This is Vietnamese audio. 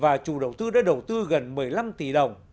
và chủ đầu tư đã đầu tư gần một mươi năm tỷ đồng